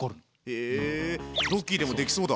へえドッキーでもできそうだ。